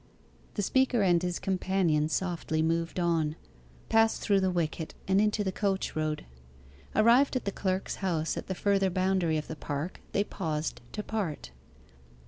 The speaker and his companion softly moved on, passed through the wicket, and into the coach road. Arrived at the clerk's house at the further boundary of the park, they paused to part.